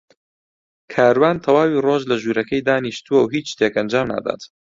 کاروان تەواوی ڕۆژ لە ژوورەکەی دانیشتووە و هیچ شتێک ئەنجام نادات.